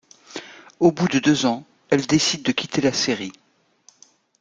Au bout de deux ans, elle décide de quitter la série.